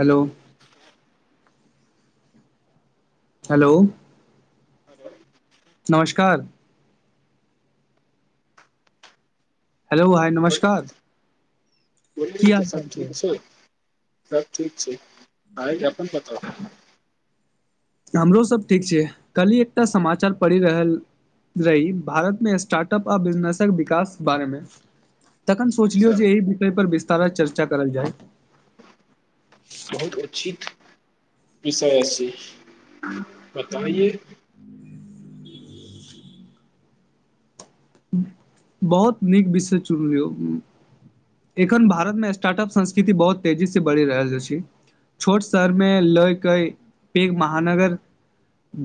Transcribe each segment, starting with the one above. Hello. Hello. Hello नमस्कार hello hi नमस्कार बोल की तऽ हाल चाल सब ठीक छ छै सब ठीक छै अर अपन पता हमरोसभ ठीक छै काल्हि एकटा समाचार पड़ि रहल रही भारतमे स्टार्ट अपप आ बिजनेसक विकास बारेमे तखन सोचलियौ अच्छा जे एहि विषय पर वि तारा चर्चा करल जाइ बहुत उचित विसस बताइए बहुत नीक विषय चुनियौ एखन भारतमे स्टार्टअप संस्कृति बहुत तेजीसँ बढ़ि रहल छै छोट शहरमे लय के पैघ महानगर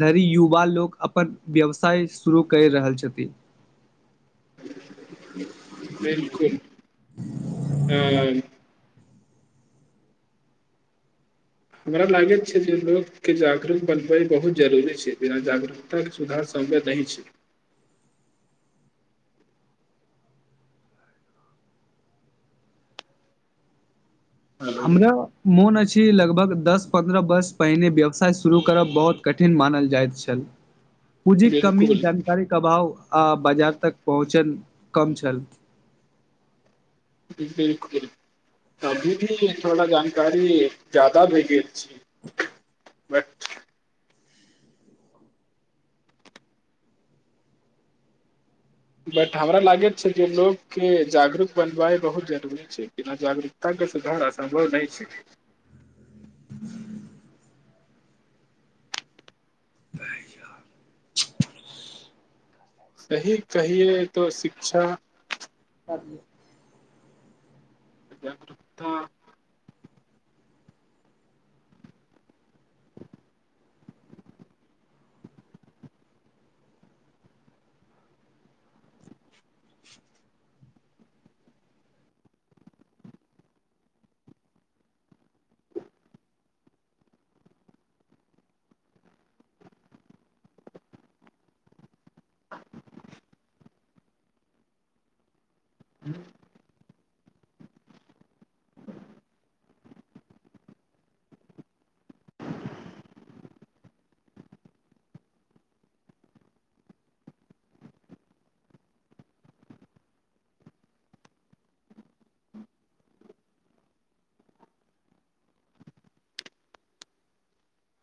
धरि युवा लोक अपन व्यवसाय शुरू करि रहल छथि बिलकुल ह हमरा लागैत छै जे लोककेँ जागरूक बनबय बहुत जरूरी छै बिना जागरूकताके सुधार सम्भव नहि छै हेलो हमरा मोन अछि लगभग दस पन्द्रह वर्ष पहिने व्यवसाय शुरू करब बहुत कठिन मानल जाइत छल पूँजी कमी बिलकुल जानकारीे अभाव आ बाजार तक पहुँचन कम छलल बिलकुल अभी भी थोड़ा जानकारी ज्याददा भ गेल छिय [unintelligible] बट बट हमरा लागैत छै जे लोकोग के जागरूक बनबाइ बहुत जरूरी छै बिना जागरूकता के सुधार असम्भव नहि छै ह तार सही कहिए तो शिक्षा आी जाग्रता हँ।